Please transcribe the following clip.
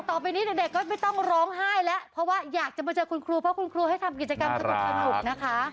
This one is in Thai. เดี๋ยวให้ทำกิจกรรมสุขภาพกลุ่มนะคะน่ารัก